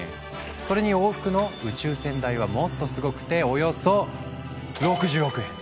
それに往復の宇宙船代はもっとすごくておよそ６０億円。